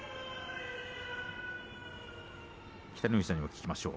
北の富士さんにも聞きましょう。